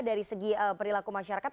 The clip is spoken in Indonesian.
dari segi perilaku masyarakat